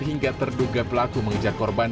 hingga terduga pelaku mengejar korban